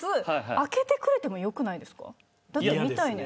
開けてくれてもよくないですか。